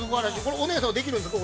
お姉さんはできるんですか。